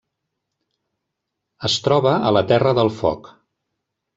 Es troba a la Terra del Foc.